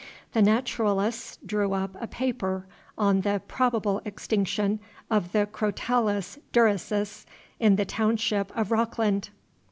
The naturalists drew up a paper on the "Probable Extinction of the Crotalus Durissus in the Township of Rockland."